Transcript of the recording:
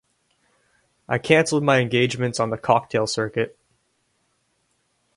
I cancelled my engagements on the cocktail circuit.